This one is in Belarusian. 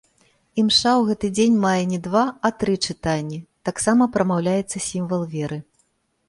Імша ў гэты дзень мае не два, а тры чытанні, таксама прамаўляецца сімвал веры.